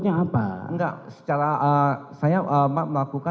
saya akan mencoba untuk mencoba